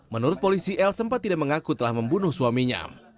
menurut polisi l sempat tidak mengaku telah membunuh suaminya